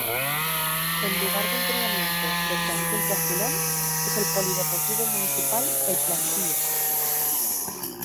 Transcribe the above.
El lugar de entrenamiento del conjunto azulón es el Polideportivo Municipal El Plantío.